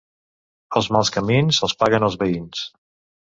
Els mals camins els paguen els veïns.